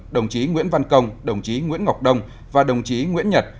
đồng chí nguyễn văn công đồng chí nguyễn ngọc đông và đồng chí nguyễn nhật